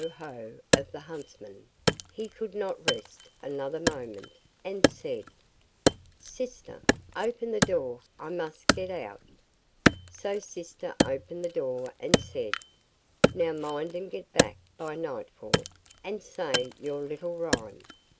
ho!' of the huntsmen, he could not rest another moment, and said: 'Sister, open the door, I must get out.' So sister opened the door and said, 'Now mind and get back by nightfall, and say your little rhyme.